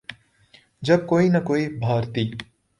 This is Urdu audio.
جب کوئی نہ کوئی بھارتی